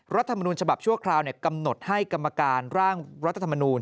รัฐมนุนฉบับชั่วคราวกำหนดให้กรรมการร่างรัฐธรรมนูล